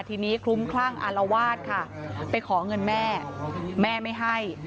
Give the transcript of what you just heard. ทีนี้คลุ้มคลั่งอารวาสค่ะไปขอเงินแม่แม่ไม่ให้